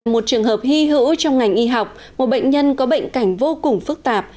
một trường hợp hy hữu trong ngành y học một bệnh nhân có bệnh cảnh vô cùng phức tạp